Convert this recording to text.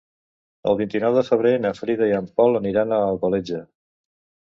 El vint-i-nou de febrer na Frida i en Pol aniran a Alcoletge.